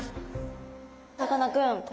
さかなクン。